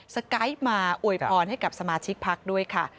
สไกด์มาอวยพรให้กับสมาชิกพักด้วยค่ะ